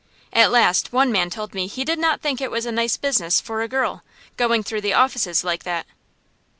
At last one man told me he did not think it was a nice business for a girl, going through the offices like that.